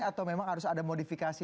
atau memang harus ada modifikasi